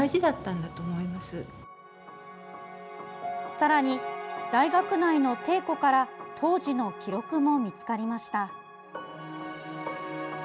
さらに、大学内の艇庫から当時の記録も見つかりました。